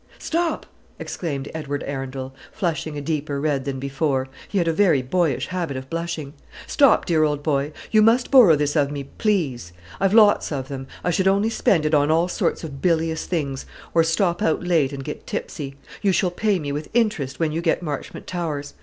"Stop!" exclaimed Edward Arundel, flushing a deeper red than before, he had a very boyish habit of blushing, "stop, dear old boy. You must borrow this of me, please. I've lots of them. I should only spend it on all sorts of bilious things; or stop out late and get tipsy. You shall pay me with interest when you get Marchmont Towers.